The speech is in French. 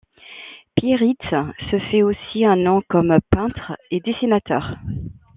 Pieritz se fait aussi un nom comme peintre et dessinateur.